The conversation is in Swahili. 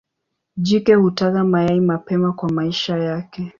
Jike hutaga mayai mapema kwa maisha yake.